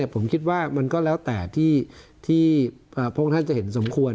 ผมคิดว่ามันก็แล้วแต่ที่พระองค์ท่านจะเห็นสมควร